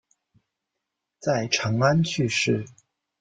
在长安去世。